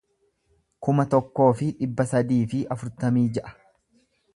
kuma tokkoo fi dhibba sadii fi afurtamii ja'a